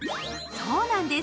そうなんです。